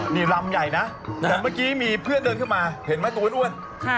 นี่ลำใหญ่นะแต่เมื่อกี้มีเพื่อนเดินเข้ามาเห็นไหมตัวอ้วน